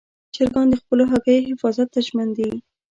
چرګان د خپلو هګیو حفاظت ته ژمن دي.